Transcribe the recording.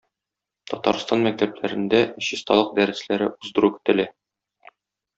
Татарстан мәктәпләрендә "Чисталык дәресләре" уздыру көтелә.